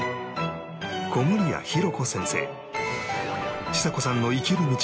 小森谷裕子先生